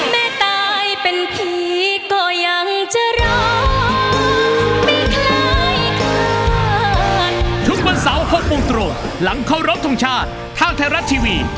แม่ตายเป็นผีก็ยังจะรอไม่คล้ายขาด